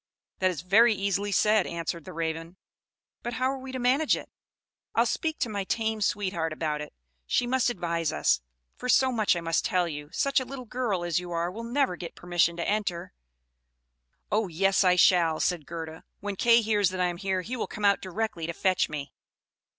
"That is very easily said," answered the Raven. "But how are we to manage it? I'll speak to my tame sweetheart about it: she must advise us; for so much I must tell you, such a little girl as you are will never get permission to enter." "Oh, yes I shall," said Gerda; "when Kay hears that I am here, he will come out directly to fetch me."